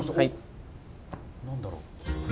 何だろう。